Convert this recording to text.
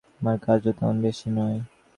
আমাদের কাজও তেমন বেশি নয়।